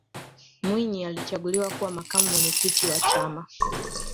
mwinyi alichaguliwa kuwa makamu mwenyekiti wa chama